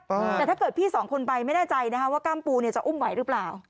แต่ถ้าเกิดพี่สองคนไปไม่แน่ใจนะคะว่ากล้ามปูเนี่ยจะอุ้มไหวหรือเปล่า